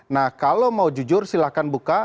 nah kalau mau jujur silahkan buka